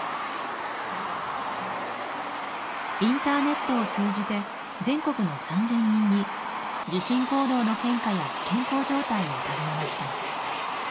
インターネットを通じて全国の３，０００人に受診行動の変化や健康状態を尋ねました。